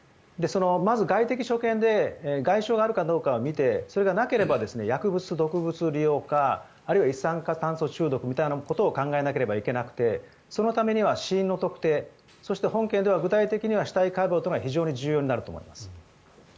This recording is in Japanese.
まず外的所見で外傷があるかどうか見てそれがなければ薬物、毒物利用かあるいは一酸化炭素中毒みたいなことを考えないといけなくてそのためには死因の特定そして本件では具体的には死体解剖というのは非常に重要になると思います。